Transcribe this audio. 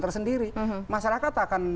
tersendiri masyarakat akan